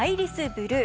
ブルー